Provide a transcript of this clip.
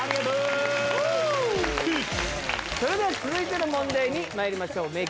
それでは続いての問題にまいりましょう。